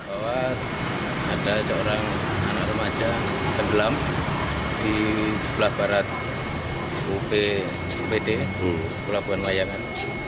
anak remaja tergelam di sebelah barat upt pulau buan wayangan